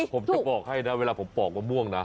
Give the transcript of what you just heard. ผมจะบอกให้นะเวลาผมปอกมะม่วงนะ